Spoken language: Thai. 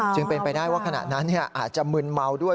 จึงเป็นไปได้ว่าขณะนั้นอาจจะมึนเมาด้วย